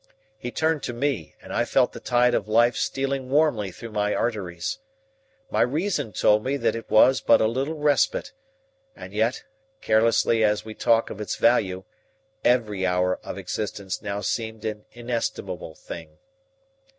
He turned to me, and I felt the tide of life stealing warmly through my arteries. My reason told me that it was but a little respite, and yet, carelessly as we talk of its value, every hour of existence now seemed an inestimable thing.